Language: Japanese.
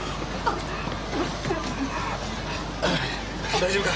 大丈夫か？